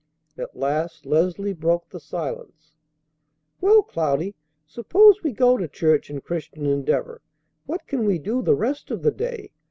At last Leslie broke the silence. "Well, Cloudy, suppose we go to church and Christian Endeavor. What can we do the rest of the day?